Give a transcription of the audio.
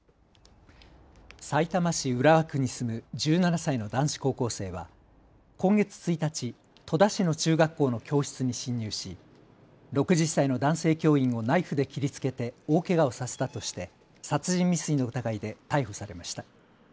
さいたま市浦和区に住む１７歳の男子高校生は今月１日、戸田市の中学校の教室に侵入し６０歳の男性教員をナイフで切りつけて大けがをさせたとして殺人未遂の疑いで逮捕されました。